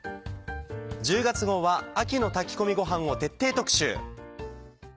１０月号は秋の炊き込みごはんを徹底特集。